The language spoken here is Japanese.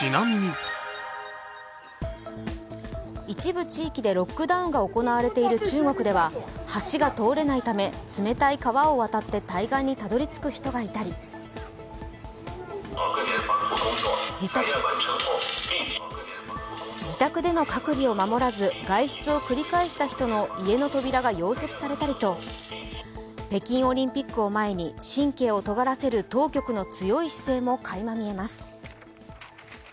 一部地域でロックダウンが行われている中国では橋が通れないため、冷たい川を渡って対岸にたどり着く人がいたり自宅での隔離を守らず外出を繰り返した人の家の扉が溶接されたりと北京オリンピックを前に神経を尖らせる当局の強い姿勢もかいまみえます。